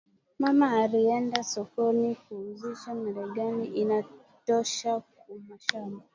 Mama arienda kusoko ku uzisha lengalenga iri tosha ku mashamba